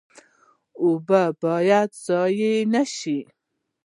اوبه باید ضایع نشي